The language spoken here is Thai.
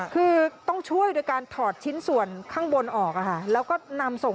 คือต้องช่วยด้วยการถอดชิ้นส่วนข้างบนออกค่ะ